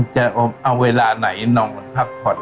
จะเอาเวลาไหนนอนพักผ่อน